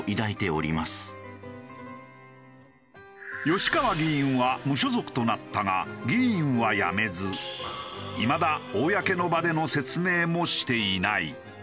吉川議員は無所属となったが議員は辞めずいまだ公の場での説明もしていない。